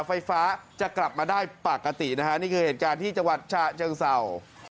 ไฟฟ้าจะกลับมาได้ปกตินะฮะนี่คือเหตุการณ์ที่จังหวัดฉะเชิงเศร้า